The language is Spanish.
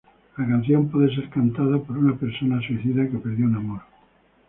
La canción puede ser cantada por una persona suicida que perdió un amor.